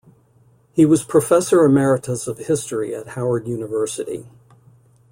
He was professor emeritus of history at Howard University.